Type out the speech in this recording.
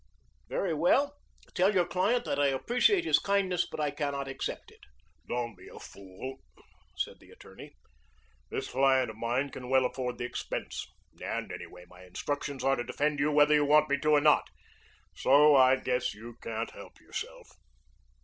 "Very well. Tell your client that I appreciate his kindness, but I cannot accept it." "Don't be a fool," said the attorney. "This client of mine can well afford the expense, and anyway, my instructions are to defend you whether you want me to or not, so I guess you can't help yourself."